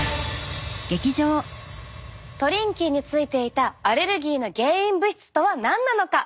トリンキーについていたアレルギーの原因物質とは何なのか。